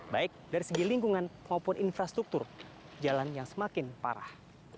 baik dari segi lingkungan maupun infrastruktur jalan yang semakin parah